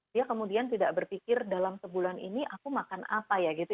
dia kemudian tidak berpikir dalam sebulan ini aku makan apa ya gitu